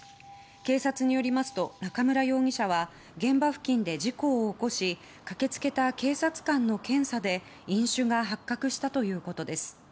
警察によりますと中村容疑者は現場付近で事故を起こし駆けつけた警察官の検査で飲酒が発覚したということです。